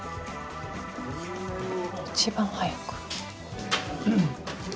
一番早く。